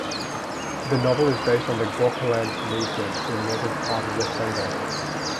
The novel is based on the Gorkhaland movement in northern part of West Bengal.